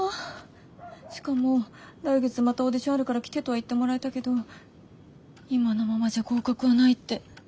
しかも来月またオーディションあるから来てとは言ってもらえたけど今のままじゃ合格はないって。